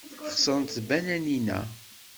Xeṣrent tbananin-a.